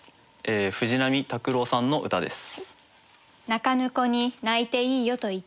藤濤拓郎さんの歌です。